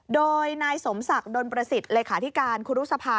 โดยนายสมศักดิ์ดนประสิทธิ์เลขาธิการครูรุษภา